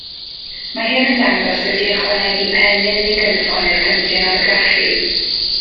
Mae hyn yn dangos sut i ychwanegu pennyn neu gynffon i'r cynllun argraffu.